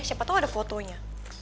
siapa tau ada fotonya